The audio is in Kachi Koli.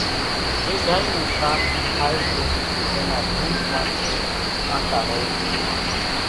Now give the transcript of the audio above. شيڍائِي نون شاک کائيَ سي زين نا ڍونڍ ماٿيَ ڪانٽا هوئيَ سي۔